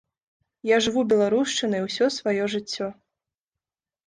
Я жыву беларушчынай усё сваё жыццё.